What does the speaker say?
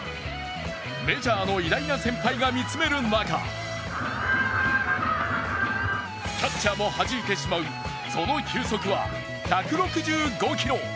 メジャーの偉大な先輩が見つめる中、キャッチャーもはじいてしまうその球速は１６５キロ。